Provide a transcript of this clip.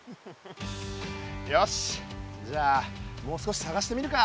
よしじゃもう少しさがしてみるか。